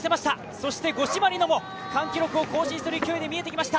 そして、五島莉乃も区間記録を更新する勢いが見えてきました。